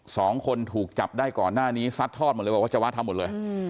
สองคนถูกจับได้ก่อนหน้านี้ซัดทอดหมดเลยบอกว่าวัชวะทำหมดเลยอืม